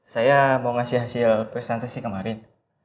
saya mau ngasih hasil presentasi kemarin